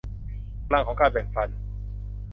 พลังของการแบ่งปัน